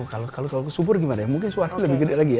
kalau ke subur gimana ya mungkin suaranya lebih gede lagi ya